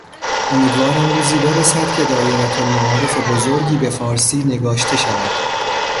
امیدوارم روزی برسد که دایرهالمعارف بزرگی به فارسی نگاشته شود.